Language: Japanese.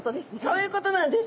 そういうことなんです。